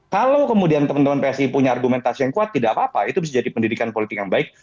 kalau kemudian teman teman psi punya argumentasi yang kuat tidak apa apa itu bisa jadi pendidikan politik yang baik